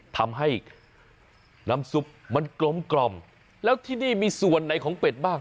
ทำให้น้ำซุปมันกลมกล่อมแล้วที่นี่มีส่วนไหนของเป็ดบ้าง